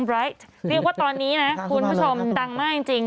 เรียกว่าตอนนี้นะคุณผู้ชมดังมากจริง